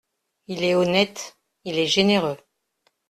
Il est honnête, il est généreux.